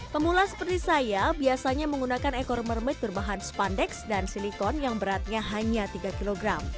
pemula seperti saya biasanya menggunakan ekor mermet berbahan spandex dan silikon yang beratnya hanya tiga kg